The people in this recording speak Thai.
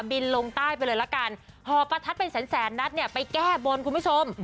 บินลงใต้ไปเลยละกันห่อประทัดเป็นแสนแสนนัดเนี่ยไปแก้บนคุณผู้ชม